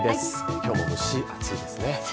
今日も蒸し暑いですね。